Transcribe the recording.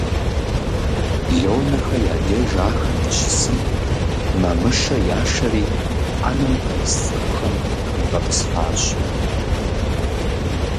Лонэхэ я деж ахэр къыщысым, Мамышэ яшэри Ӏэнэм пэрыс цӀыкӀухэм хагъэтӀысхьащ.